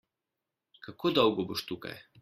Kako dolgo boš tukaj?